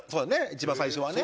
一番最初はね。